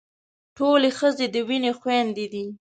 ټولې ښځې د وينې خويندې دي.